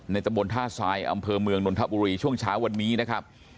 ตะบนท่าทรายอำเภอเมืองนนทบุรีช่วงเช้าวันนี้นะครับ